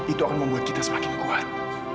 itu akan membuat kita semakin kuat